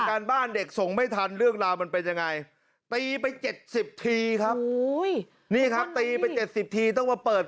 ตั้งแต่ประถมมัธยมเลย